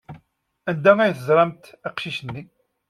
Anda ay teẓramt aqcic-nni?